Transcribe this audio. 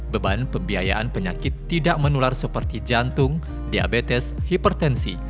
beban pembiayaan penyakit tidak menular seperti jantung diabetes hipertensi